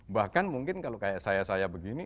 bahkan mungkin kalau kayak saya saya begini